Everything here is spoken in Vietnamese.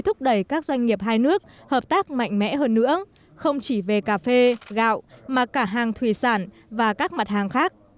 thúc đẩy các doanh nghiệp hai nước hợp tác mạnh mẽ hơn nữa không chỉ về cà phê gạo mà cả hàng thủy sản và các mặt hàng khác